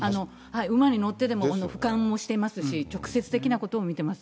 馬に乗ってでもふかんもしていますし、直接的なことも見てます。